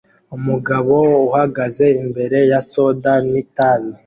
Umugabo uhagaze imbere ya soda n'itabi